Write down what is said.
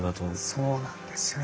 そうなんですよ。